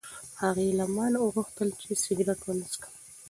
هغې له ما نه وغوښتل چې سګرټ ونه څښم.